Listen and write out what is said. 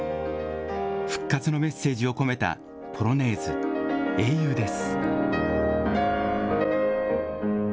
復活のメッセージを込めたポロネーズ英雄です。